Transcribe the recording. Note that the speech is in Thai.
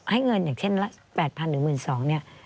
ให้เงินอย่างเช่นละ๘๐๐หรือ๑๒๐๐เนี่ย